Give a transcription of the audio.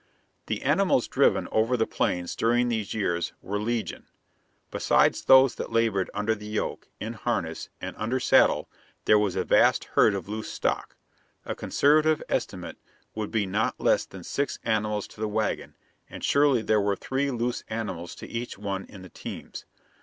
The animals driven over the Plains during these years were legion. Besides those that labored under the yoke, in harness, and under saddle, there was a vast herd of loose stock. A conservative estimate would be not less than six animals to the wagon, and surely there were three loose animals to each one in the teams.